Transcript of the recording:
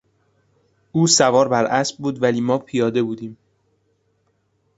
او سوار بر اسب بود ولی ما پیاده بودیم.